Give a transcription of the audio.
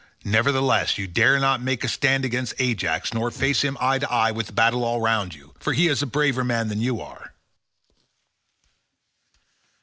Nevertheless you dared not make a stand against Ajax, nor face him, eye to eye, with battle all round you, for he is a braver man than you are."